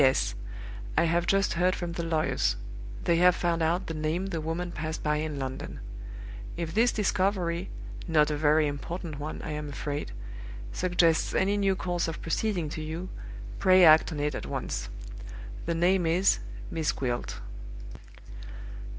"P. S. I have just heard from the lawyers. They have found out the name the woman passed by in London. If this discovery (not a very important one, I am afraid) suggests any new course of proceeding to you, pray act on it at once. The name is Miss Gwilt."